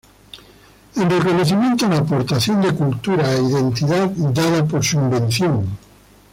En reconocimiento a la aportación de cultura e identidad dada por su invención